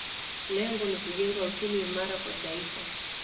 Lengo ni kujenga uchumi imara kwa Taifa